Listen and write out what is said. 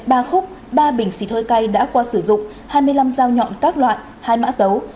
ba khúc ba bình xịt hơi cay đã qua sử dụng hai mươi năm dao nhọn các loại hai mã tấu